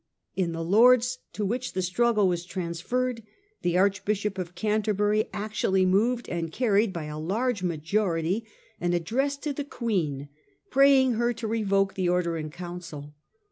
In the Lords, to which the struggle was trans ferred, the Archbishop of Canterbury actually moved and carried by a large majority an address to the Queen praying her to revoke the Order in Council.